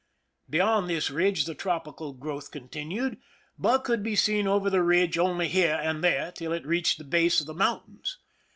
Be yond this ridge the tropical growth continued, but could be seen over the ridge only here and there till it reached the base of the mountains.